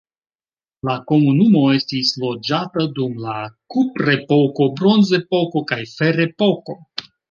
La komunumo estis loĝata dum la kuprepoko, bronzepoko, kaj ferepoko.